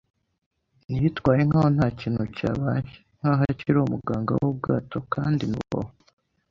yitwaye nkaho ntakintu cyabaye, nkaho akiri umuganga wubwato kandi nabo